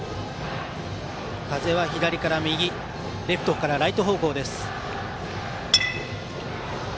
風は左から右レフトからライト方向。